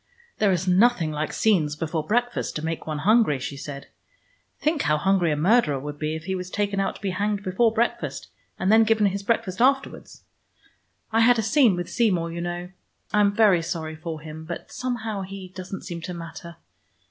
"There is nothing like scenes before breakfast to make one hungry," she said. "Think how hungry a murderer would be if he was taken out to be hanged before breakfast, and then given his breakfast afterwards. I had a scene with Seymour, you know. I am very sorry for him, but somehow he doesn't seem to matter.